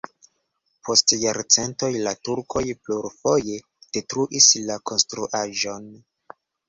Post jarcentoj la turkoj plurfoje detruis la konstruaĵon.